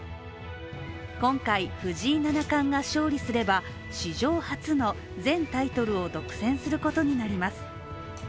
今回、藤井七冠が勝利すれば史上初の全タイトルを独占することになります。